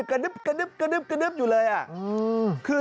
คือชาวเด็กเขาถามว่าน้ำซุป